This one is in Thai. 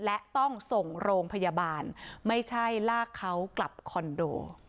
และต้องส่งโรงพยาบาลไม่ใช่ลากเขากลับคอนโด